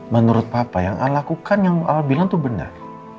menurut papa yang al lakukan yang al bilang tuh benar